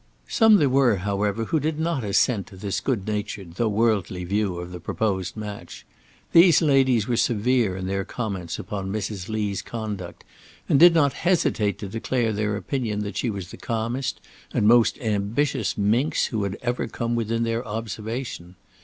Some there were, however, who did not assent to this good natured though worldly view of the proposed match. These ladies were severe in their comments upon Mrs. Lee's conduct, and did not hesitate to declare their opinion that she was the calmest and most ambitious minx who had ever come within their observation.